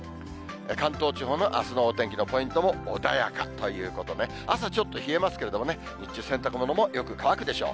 関東地方のあすのお天気のポイントも穏やかということで、朝、ちょっと冷えますけれどもね、日中、洗濯物もよく乾くでしょう。